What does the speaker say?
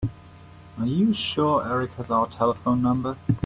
Are you sure Erik has our telephone number?